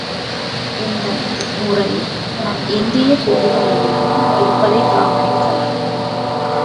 இந்த முறை நம் இந்தியப் பொதுவாழ்விலும் இருப்பதைக் கவனிக்கலாம்.